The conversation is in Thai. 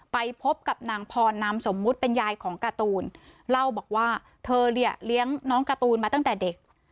ไปพบกับนางพรนามสมมุติเป็นยายของการ์ตูนเล่าบอกว่าเธอเนี่ยเลี้ยงน้องการ์ตูนมาตั้งแต่เด็ก